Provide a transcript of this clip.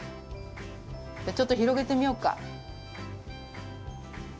じゃあちょっとひろげてみようか。